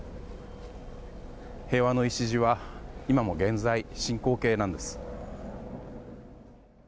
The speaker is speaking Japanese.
平和の礎は今も現在進行形なんです。